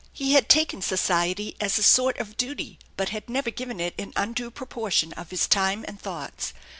He had taken society as a sort of duty, but had never given it an undue proportion of his tune and thoughts.